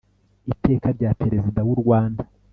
iteka rya perezida w'u rwanda